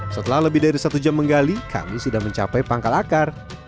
setelah lebih dari satu jam menggali kami sudah mencapai pangkal akar